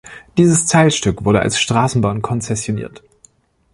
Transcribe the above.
Dieses Teilstück wurde als Straßenbahn konzessioniert.